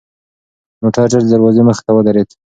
موټر ژر د دروازې مخې ته ودرېد.